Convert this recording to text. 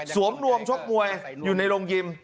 รวมชกมวยอยู่ในโรงยิม